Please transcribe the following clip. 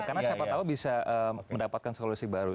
karena siapa tahu bisa mendapatkan solusi baru